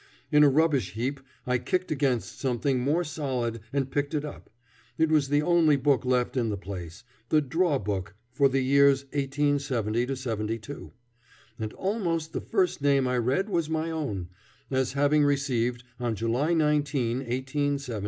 In a rubbish heap I kicked against something more solid and picked it up. It was the only book left in the place: the "draw book" for the years 1870 72; and almost the first name I read was my own, as having received, on July 19, 1870, $10.